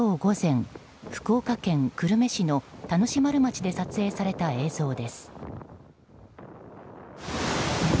今日午前、福岡県久留米市の田主丸町で撮影された映像です。